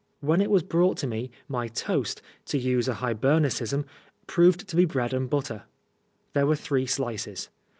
When it was brought to me, my toast (to use an Hibernicism) proved to be bread and butter. There were three slices.